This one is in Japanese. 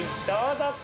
どうぞ。